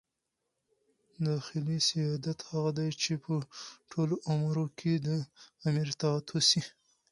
داخلي سیادت هغه دئ، چي په ټولو امورو کښي د امیر اطاعت وسي.